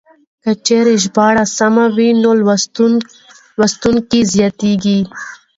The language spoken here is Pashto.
که چېرې ژباړه سمه وي نو لوستونکي زياتېږي.